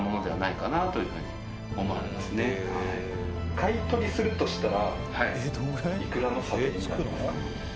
「買い取りするとしたらいくらの査定になりますか？」